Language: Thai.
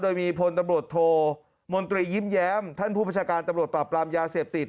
โดยมีพลตำรวจโทมนตรียิ้มแย้มท่านผู้ประชาการตำรวจปราบปรามยาเสพติด